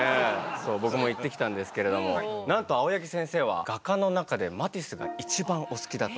そうぼくも行ってきたんですけれどもなんと青柳先生は画家の中でマティスが一番お好きだと。